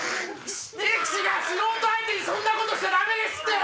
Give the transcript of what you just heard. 力士が素人相手にそんなことしちゃダメですって！